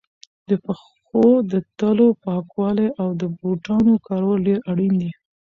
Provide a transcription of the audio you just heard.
د پښو د تلو پاکوالی او د بوټانو کارول ډېر اړین دي.